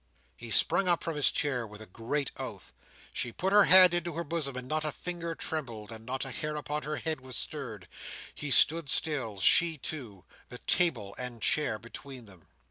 He sprung up from his chair with a great oath. She put her hand into her bosom, and not a finger trembled, not a hair upon her head was stirred. He stood still: she too: the table and chair between them.